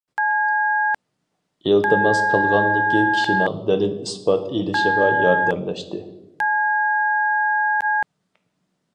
ئىلتىماس قىلغانلىكى كىشىنىڭ دەلىل- ئىسپات ئېلىشىغا ياردەملەشتى.